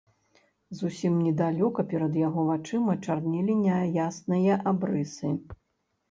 Зусім недалёка перад яго вачыма чарнелі няясныя абрысы.